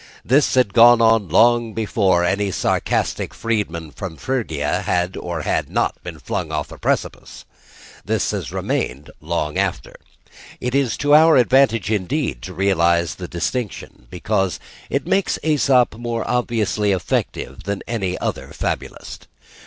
This had gone on long before any sarcastic freedman from Phrygia had or had not been flung off a precipice; this has remained long after. It is to our advantage, indeed, to realise the distinction; because it makes Æsop more obviously effective than any other fabulist.